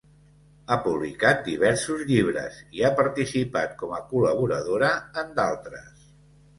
Ha publicat diversos llibres i ha participat com a col·laboradora en d'altres.